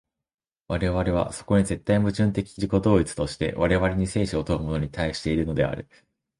我々はそこに絶対矛盾的自己同一として、我々に生死を問うものに対しているのである。